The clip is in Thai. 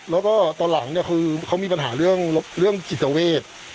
แล้วก็ตอนหลังเนี่ยคือเขามีปัญหาเรื่องจิตเวท